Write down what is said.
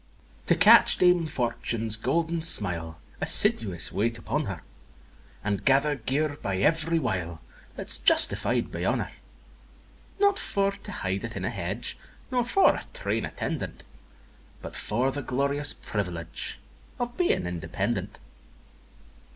VII. To catch dame Fortune's golden smile, Assiduous wait upon her; And gather gear by ev'ry wile That's justified by honour; Not for to hide it in a hedge, Nor for a train attendant; But for the glorious privilege Of being independent.